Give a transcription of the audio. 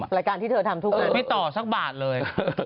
รายการที่เธอทำทุกงานไม่ต่อสักบาทเลย